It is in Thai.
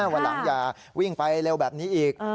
วันหลังอย่าวิ่งไปเร็วแบบนี้อีก